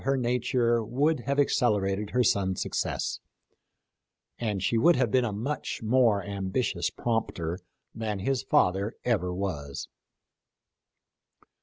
her nature would have accelerated her son's success, and she would have been a much more ambitious prompter than his father ever was.